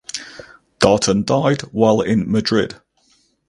Darton died while in Madrid.